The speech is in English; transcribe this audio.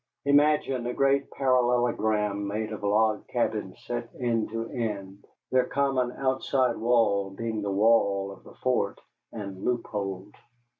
Imagine a great parallelogram made of log cabins set end to end, their common outside wall being the wall of the fort, and loopholed.